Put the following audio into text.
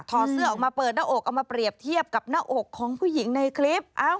เสื้อออกมาเปิดหน้าอกเอามาเปรียบเทียบกับหน้าอกของผู้หญิงในคลิป